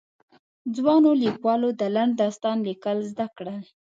ځوانو ليکوالو د لنډ داستان ليکل زده کړل.